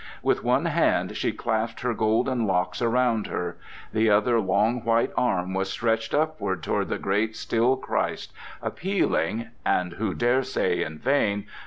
With one hand she clasped her golden locks around her; the other long white arm was stretched upward toward the great still Christ, appealing—and who dare say in vain?